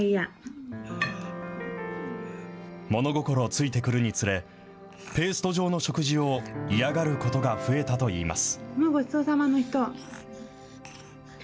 物心付いてくるにつれ、ペースト状の食事を嫌がることが増えたといいます。